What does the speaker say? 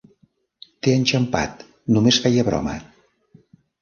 T'he enxampat, només feia broma!